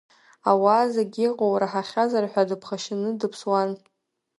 Ауаа зегьы иҟоу раҳахьазар ҳәа дыԥхашьаны дыԥсуан.